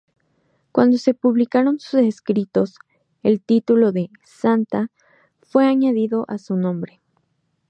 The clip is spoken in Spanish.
Cuando se publicaron sus escritos, el título de "Santa" fue añadido a su nombre.